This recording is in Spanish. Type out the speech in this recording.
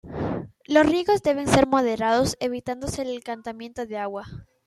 Los riegos deben ser moderados, evitándose el estancamiento del agua.